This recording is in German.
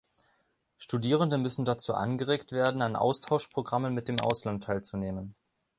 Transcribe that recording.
Studierende müssen dazu angeregt werden, an Austauschprogrammen mit dem Ausland teilzunehmen.